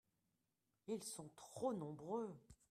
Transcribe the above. ils sont trop nombreux.